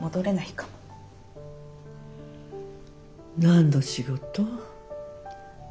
何の仕事？